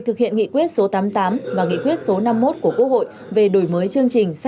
chuyên đề bảy